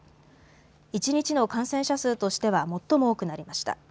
一日の感染者数としては最も多くなりました。